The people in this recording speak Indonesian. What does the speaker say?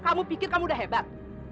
kamu pikir kamu udah hebat